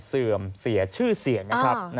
เสื่อมเสียชื่อเสียงนะครับ